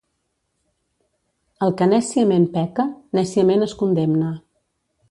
El que nèciament peca, nèciament es condemna.